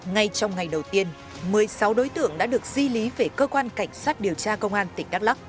ngay trong ngày đầu tiên một mươi sáu đối tượng đã được di lý về cơ quan cảnh sát điều tra công an tỉnh đắk lắc